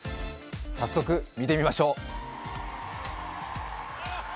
早速見てみましょう。